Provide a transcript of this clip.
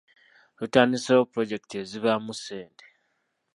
Tutandiseewo pulojekiti ezivaamu ssente .